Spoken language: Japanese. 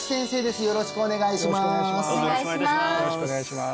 よろしくお願いします